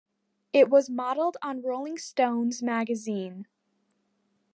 It was modeled on "Rolling Stones" magazine.